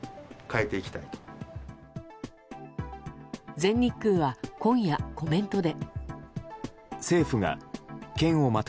全日空は今夜、コメントで。